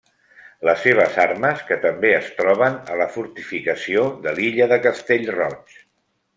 Les seves armes que també es troben a la fortificació de l'illa de Castellroig.